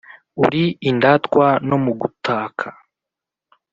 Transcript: uri indatwa no mu gutaka